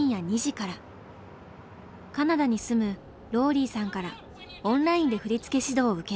カナダに住むローリーさんからオンラインで振り付け指導を受ける。